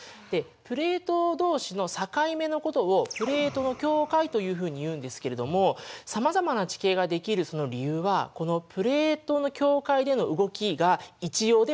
プレートどうしの境目のことをプレートの境界というふうに言うんですけれどもさまざまな地形が出来るその理由はこのプレートの境界での動きが一様ではないからなんですね。